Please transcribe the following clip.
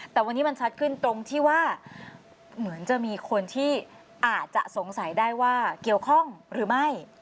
แต่วันนี้มันชัดขึ้นตรงที่ว่าเหมือนจะมีคนที่อาจจะสงสัยได้ว่าเกี่ยวข้องหรือไม่